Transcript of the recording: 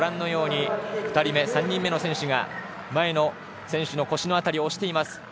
２人目、３人目の選手が前の選手の腰の辺りを押しています。